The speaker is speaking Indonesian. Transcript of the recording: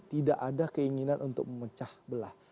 tidak ada keinginan untuk memecah belah